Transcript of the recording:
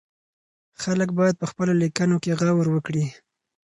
خلک بايد په خپلو ليکنو کې غور وکړي.